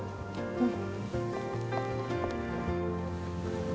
うん。